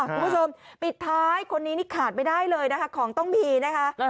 คุณผู้ชมปิดท้ายคนนี้นี่ขาดไม่ได้เลยนะคะของต้องมีนะคะ